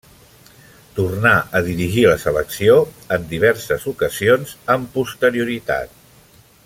Tornà a dirigir la selecció en diverses ocasions amb posterioritat.